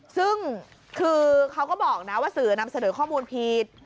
ซึ่งคือเขาก็บอกนะว่าสื่อนำเสนอข้อมูลผิด